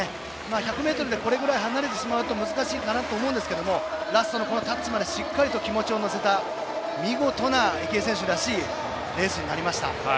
１００ｍでこれぐらい離れてしまうと難しいかなと思うんですけどもラストのタッチまで気持ちを乗せた見事な池江選手らしいレースになりました。